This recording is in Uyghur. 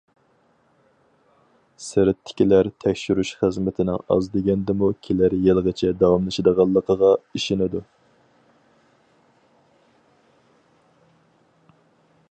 سىرتتىكىلەر تەكشۈرۈش خىزمىتىنىڭ ئاز دېگەندىمۇ كېلەر يىلىغىچە داۋاملىشىدىغانلىقىغا ئىشىنىدۇ.